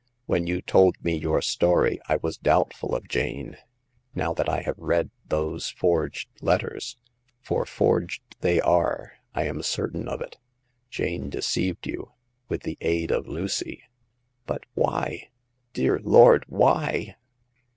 " When you told me your story, I was doubtful of Jane ; now that I have read those forged let ters—for forged they are— I am certain of it. Jane deceived you, with the aid of Lucy !"But why, dear Lord, why